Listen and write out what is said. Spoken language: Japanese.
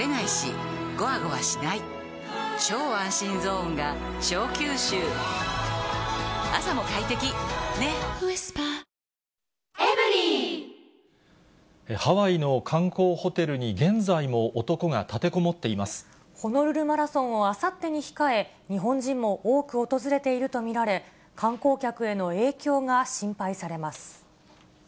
男が銃を持って立てこもってハワイの観光ホテルに現在もホノルルマラソンをあさってに控え、日本人も多く訪れていると見られ、観光客への影響が心配されます。